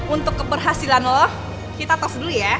untuk keberhasilan love kita tos dulu ya